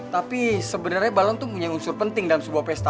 tapi sebenarnya balon itu punya unsur penting dalam sebuah pesta